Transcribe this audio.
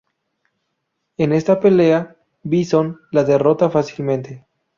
En esta pelea, Bison la derrota fácilmente.